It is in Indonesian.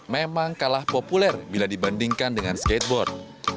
memang kalah populer bila dibandingkan dengan skateboard